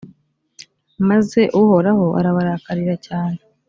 maze uhoraho arabarakarira cyane.